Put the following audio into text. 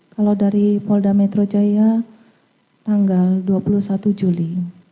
kalau dari polda metro jaya tanggal dua puluh satu juli